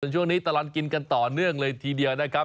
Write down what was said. ช่วงนี้ตลอดกินกันต่อเนื่องเลยทีเดียวนะครับ